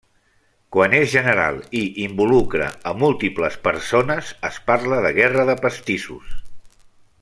Quan és general i involucra a múltiples persones es parla de guerra de pastissos.